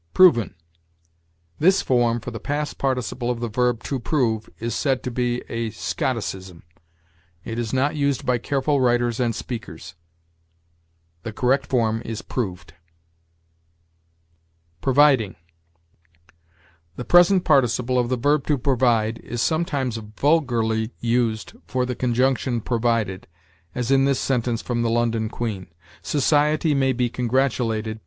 PROVEN. This form for the past participle of the verb to prove is said to be a Scotticism. It is not used by careful writers and speakers. The correct form is proved. PROVIDING. The present participle of the verb to provide is sometimes vulgarly used for the conjunction provided, as in this sentence from the "London Queen": "Society may be congratulated